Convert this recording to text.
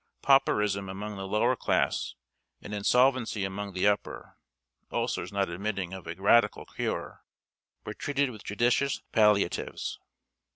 Pauperism among the lower class, and insolvency among the upper ulcers not admitting of a radical cure were treated with judicious palliatives.